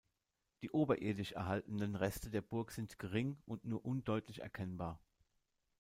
Die oberirdisch erhaltenen Reste der Burg sind gering und nur undeutlich erkennbar.